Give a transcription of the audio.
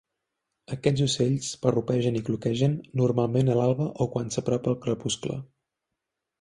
Aquests ocells parrupegen i cloquegen, normalment a l'alba o quan s'apropa el crepuscle.